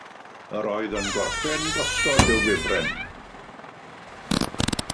Yr oedd yn gorffen gosod y wifren.